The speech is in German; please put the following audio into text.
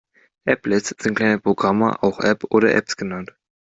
Applets sind kleine Programme, auch App oder Apps genannt.